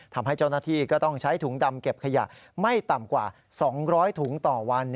ทำให้เจ้าหน้าที่ก็ต้องใช้ถุงดำเก็บขยะไม่ต่ำกว่า๒๐๐ถุงต่อวัน